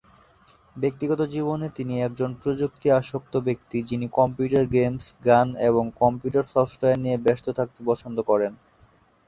ব্যক্তিগত জীবনে তিনি একজন প্রযুক্তি আসক্ত ব্যক্তি যিনি কম্পিউটার গেমস, গান এবং কম্পিউটার সফটওয়্যার নিয়ে ব্যস্ত থাকতে পছন্দ করেন।